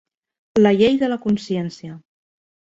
La llei de la consciència.